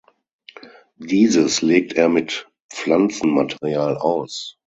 Dieses legt er mit Pflanzenmaterial aus.